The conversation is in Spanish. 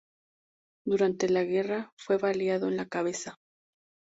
Durante la guerra fue baleado en la cabeza.